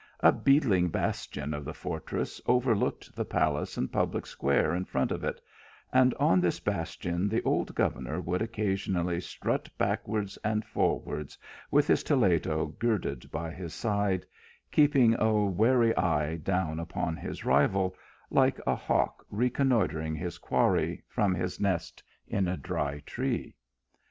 A beetling bastion of the fortress overlooked the palace and the public square in front of it ; and on this bastion the old governor would occasionally strut backwards and forwards, with his toledo girded by his side, keeping a wary eye down upon his rival, like a hawk reconnoitring his quarry from his nest in a dry tree.